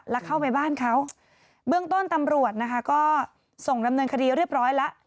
แล้วเข้าไปบ้านเขาเบื้องต้นตำรวจนะคะก็ส่งดำเนินคดีเรียบร้อยแล้ว